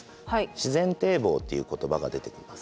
「自然堤防」っていう言葉が出てきます。